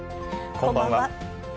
こんばんは。